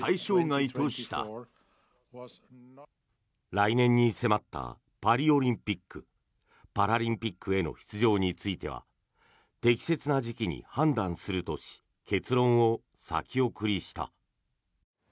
来年に迫ったパリオリンピック・パラリンピックへの出場については適切な時期に判断するとし結論を先送りした。